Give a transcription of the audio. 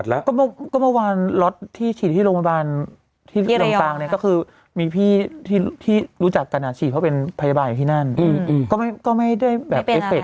แล้วแต่คนด้วยเนอะ